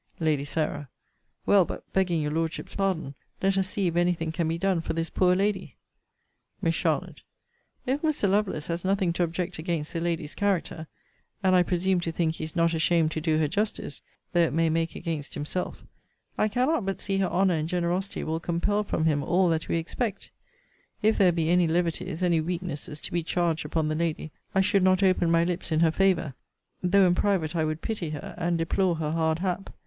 Lady Sarah. Well, but, begging your Lordship's pardon, let us see if any thing can be done for this poor lady. Miss Ch. If Mr. Lovelace has nothing to object against the lady's character, (and I presume to think he is not ashamed to do her justice, though it may make against himself,) I cannot but see her honour and generosity will compel from him all that we expect. If there be any levities, any weaknesses, to be charged upon the lady, I should not open my lips in her favour; though in private I would pity her, and deplore her hard hap.